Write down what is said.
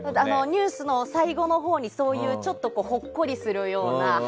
ニュースの最後のほうにちょっとほっこりするような話。